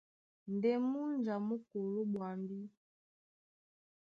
Ndé múnja mú koló ɓwambí.